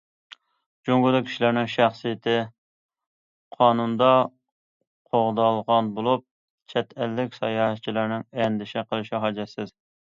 جۇڭگودا كىشىلەرنىڭ شەخسىيىتى قانۇندا قوغدالغان بولۇپ، چەت ئەللىك ساياھەتچىلەرنىڭ ئەندىشە قىلىشى ھاجەتسىز.